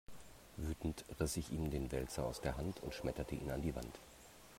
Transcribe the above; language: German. Wütend riss ich ihm den Wälzer aus der Hand und schmetterte ihn an die Wand.